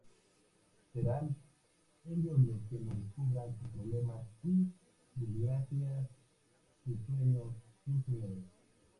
Serán ellos los que nos descubran sus problemas y desgracias, sus sueños, sus miedos.